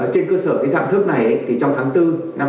trên cơ sở dạng thức này trong tháng bốn năm hai nghìn một mươi hai